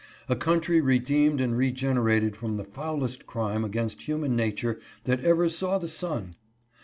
A country redeemed and regenerated from the foulest crime against human nature that ever saw the sun!